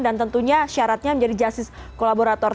dan tentunya syaratnya menjadi justice kolaborator